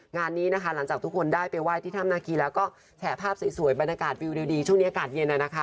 งานนี้นะคะหลังจากทุกคนได้ไปไหว้ที่ถ้ำนาคีแล้วก็แฉภาพสวยบรรยากาศวิวดีช่วงนี้อากาศเย็นนะคะ